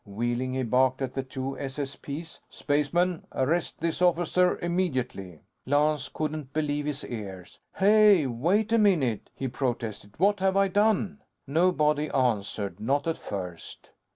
Wheeling, he barked at the two SSP's: "Spacemen, arrest this officer! Immediately!" Lance couldn't believe his ears. "Hey, wait a minute!" he protested. "What have I done?" Nobody answered. Not at first.